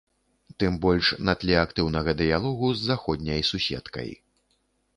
Тым больш на тле актыўнага дыялогу з заходняй суседкай.